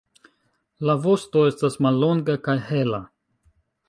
La vosto estas mallonga kaj hela.